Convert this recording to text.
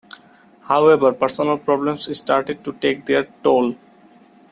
However, personal problems started to take their toll.